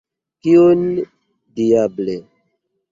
Kion, diable!